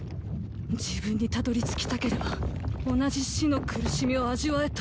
自分にたどりつきたければ同じ死の苦しみを味わえと。